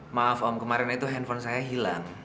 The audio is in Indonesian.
maaf om kemarin itu handphone saya hilang